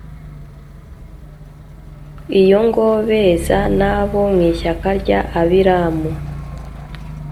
iyongobeza n'abo mu ishyaka rya abiramu